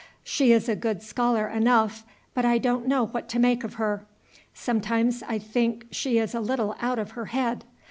"She is a good scholar enough, but I don't know what to make of her. Sometimes I think she is a little out of her head.